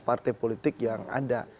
partai politik yang ada